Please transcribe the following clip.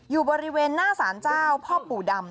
อยู่บริเวณหน้าสารเจ้าพ่อปู่ดำ